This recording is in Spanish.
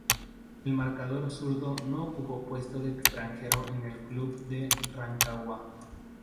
El marcador zurdo no ocupó puesto de extranjero en el club de Rancagua.